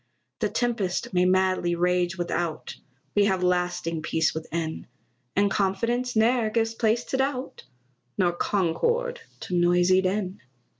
The tempest may madly rage without, We have lasting peace within; And confidence ne'er gives place to doubt, Nor concord to noisy din.